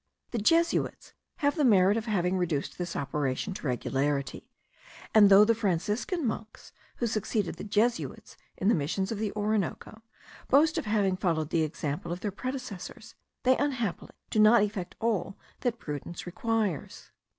The Jesuits have the merit of having reduced this operation to regularity; and though the Franciscan monks, who succeeded the Jesuits in the Missions of the Orinoco, boast of having followed the example of their predecessors, they unhappily do not effect all that prudence requires.